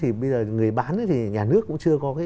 thì bây giờ người bán ấy thì nhà nước cũng chưa có